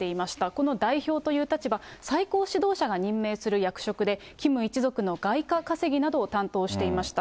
この代表という立場、最高指導者が任命する役職で、キム一族の外貨稼ぎなどを担当していました。